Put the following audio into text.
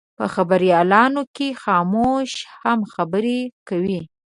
په خبریالانو کې خاموشه هم خبرې کوي.